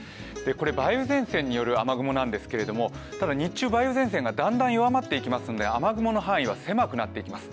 これ、梅雨前線による雨雲なんですけれども日中梅雨前線がだんだん弱まっていきますので雨雲の範囲は狭くなっていきます。